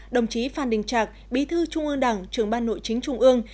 đồng chí phan đình trạc bí thư trung ương đảng trưởng ban nội chính trung ương